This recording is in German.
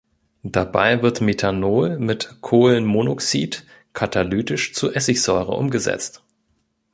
Dabei wird Methanol mit Kohlenmonoxid katalytisch zu Essigsäure umgesetzt.